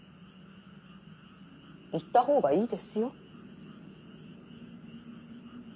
言った方がいいですよ。